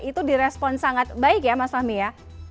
itu di respon sangat baik ya mas fahmi ya